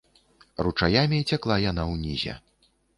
Ручаямі цякла яна ўнізе.